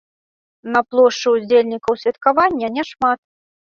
На плошчы ўдзельнікаў святкавання няшмат.